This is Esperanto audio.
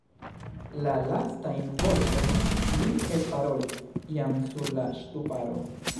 La lastajn vortojn li elparolis jam sur la ŝtuparo.